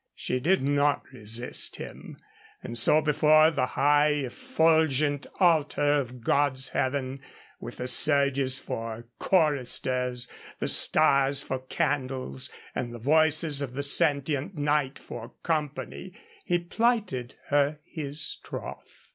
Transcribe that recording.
She did not resist him. And so before the high, effulgent altar of God's heaven, with the surges for choristers, the stars for candles, and the voices of the sentient night for company, he plighted her his troth.